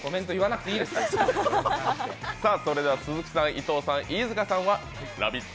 鈴木さん、伊藤さん、飯塚さんは「ラヴィット！」